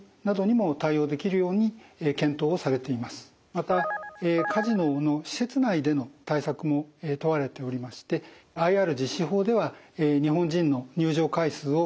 またカジノの施設内での対策も問われておりましてＩＲ実施法では日本人の入場回数を週３回。